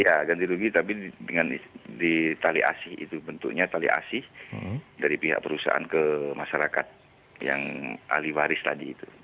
iya ganti rugi tapi dengan di tali asih itu bentuknya tali asih dari pihak perusahaan ke masyarakat yang ahli waris tadi itu